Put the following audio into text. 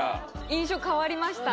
印象変わりました。